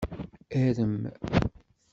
Arem!